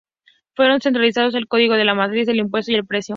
Fueron centralizados el código de la matriz del impuesto y el precio.